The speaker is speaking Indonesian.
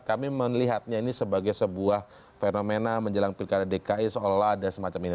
kami melihatnya ini sebagai sebuah fenomena menjelang pilkada dki seolah olah ada semacam ini